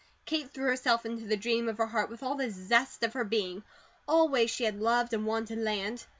Kate threw herself into the dream of her heart with all the zest of her being. Always she had loved and wanted land.